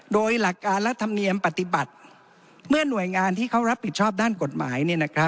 โดยหลักการและธรรมเนียมปฏิบัติเมื่อหน่วยงานที่เขารับผิดชอบด้านกฎหมาย